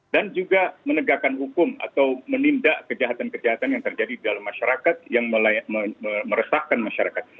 dan juga menegakkan hukum atau menindak kejahatan kejahatan yang terjadi di dalam masyarakat yang meresahkan masyarakat